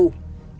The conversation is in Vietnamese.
trương huệ vân